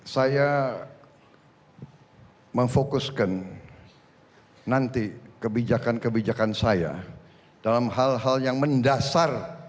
saya memfokuskan nanti kebijakan kebijakan saya dalam hal hal yang mendasar